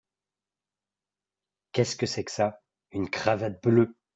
Qu’est-ce que c’est que ça ? une cravate bleue !